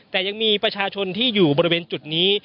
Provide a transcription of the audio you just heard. แต่ยังมีประชาชนที่อยู่บริเวณจุดนี้